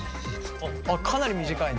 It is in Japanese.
あっかなり短いね。